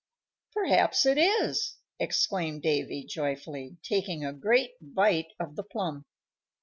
"Perhaps it is!" exclaimed Davy, joyfully, taking a great bite of the plum.